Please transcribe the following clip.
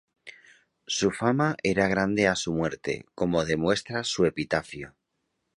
Su fama era grande a su muerte, como demuestra su epitafio.